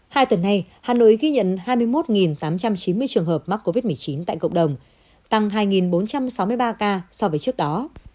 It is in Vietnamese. hai tuần nay hà nội ghi nhận hai mươi một tám trăm chín mươi trường hợp mắc covid một mươi chín tại cộng đồng tăng hai bốn trăm sáu mươi ba ca so với trước đó